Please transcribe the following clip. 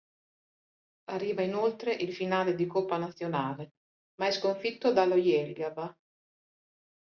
Arriva inoltre in finale di coppa nazionale, ma è sconfitto dallo Jelgava.